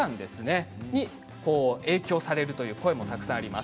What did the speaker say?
そこに影響されるという声もたくさんあります。